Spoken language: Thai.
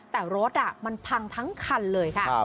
แต่รถมันพังทั้งคันเลยค่ะ